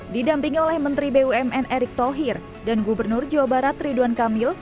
didampingi oleh menteri bumn erick thohir dan gubernur jawa barat ridwan kamil